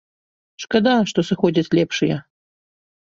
Шкада, што сыходзяць лепшыя.